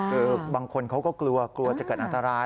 คือบางคนเขาก็กลัวกลัวจะเกิดอันตราย